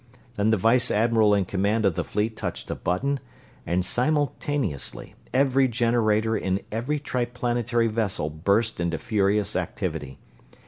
Then the vice admiral in command of the fleet touched a button, and simultaneously every generator in every Triplanetary vessel burst into furious activity.